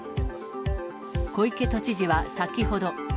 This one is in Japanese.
小池都知事は先ほど。